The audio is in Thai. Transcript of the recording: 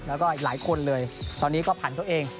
แล้วก็อีกหลายคนเลยตอนนี้ก็ผ่านตัวเอง